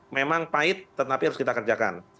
memang pahit tetapi harus kita kerjakan